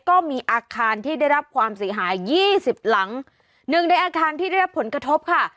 ก็มีอาคารที่ได้รับความเสียหายยี่สิบหลังหนึ่งในอาคารที่ได้รับผลกระทบค่ะ